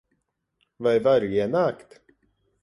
Vai varu ienākt?